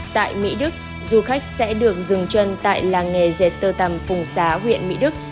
tại mỹ đức du khách sẽ được dừng chân tại làng nghề dệt tơ tầm phùng xá huyện mỹ đức